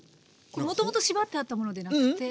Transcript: もともと縛ってあったものでなくて？